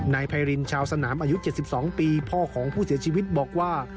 นายไพรินชาวสนามอายุ๗๒ปีพ่อของผู้เสียชีวิตบอกว่า